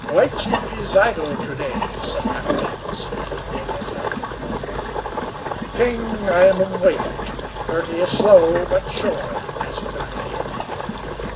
"White Chief is idle to day," said Half King, speaking in the Indian tongue. "King, I am waiting. Girty is slow, but sure," answered the renegade.